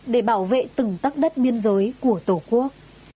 để bảo vệ từng tất đất biên giới của tổ quốc